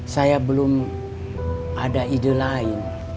saya belum ada ide lain